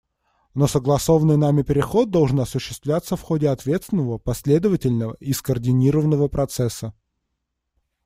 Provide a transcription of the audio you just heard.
Но согласованный нами переход должен осуществляться в ходе ответственного, последовательного и скоординированного процесса.